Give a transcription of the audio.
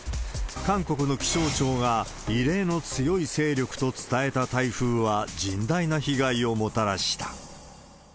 韓国の気象庁が異例の強い勢力と伝えた台風は甚大な被害をもたらした。